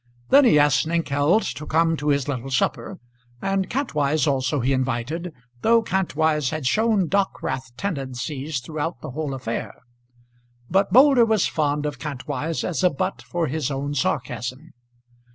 Then he asked Snengkeld to come to his little supper; and Kantwise also he invited, though Kantwise had shown Dockwrath tendencies throughout the whole affair; but Moulder was fond of Kantwise as a butt for his own sarcasm.